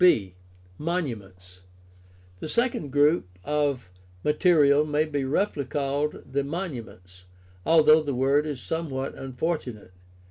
b) Monuments. — The second group of rriaterial may be roughly called the monuments, although the word is some what unfortunate.